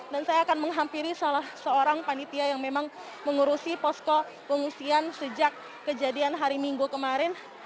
dan saya akan menghampiri seorang panitia yang memang mengurusi posko pengungsian sejak kejadian hari minggu kemarin